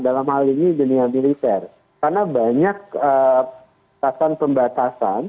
dalam hal ini jenis militer karena banyak tasan pembatasan